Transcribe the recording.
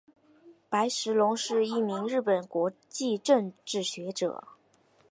白石隆是一名日本国际政治学者。